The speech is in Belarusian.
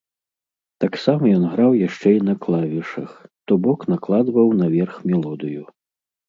Таксама ён граў яшчэ і на клавішах, то бок накладваў наверх мелодыю.